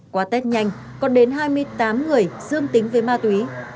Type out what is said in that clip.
qua tết nhanh còn đến hai mươi tám người dương tính với ma túy